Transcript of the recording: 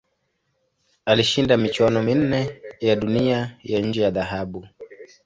Alishinda michuano minne ya Dunia ya nje ya dhahabu.